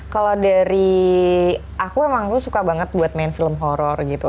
kalau dari aku emang lu suka banget buat main film horror gitu